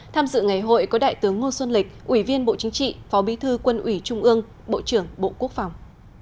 tham dự ngày hội có đại tướng ngô xuân lịch ủy viên bộ chính trị phó bí thư quân ủy trung ương bộ trưởng bộ quốc phòng